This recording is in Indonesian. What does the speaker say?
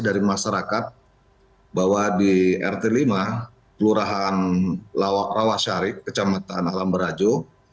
informasi dari masyarakat bahwa di rt lima kelurahan rawasari kecamatan alam berajo